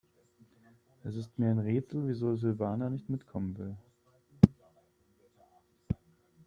Es ist mir ein Rätsel, wieso Silvana nicht mitkommen will.